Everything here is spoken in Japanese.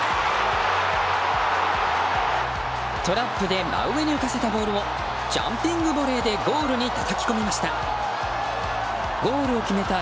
トラップで真上に浮かせたボールをジャンピングボレーでゴールにたたき込みました。